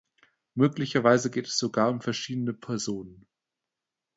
Möglicherweise geht es sogar um verschiedene Personen.